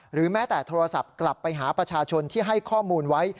แม้แต่โทรศัพท์กลับไปหาประชาชนที่ให้ข้อมูลไว้